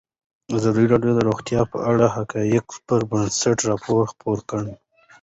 ازادي راډیو د روغتیا په اړه د حقایقو پر بنسټ راپور خپور کړی.